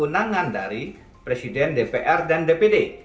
ini adalah keunangan dari presiden dpr dan dpd